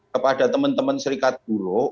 kepada teman teman serikat buruh